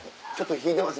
引いてます。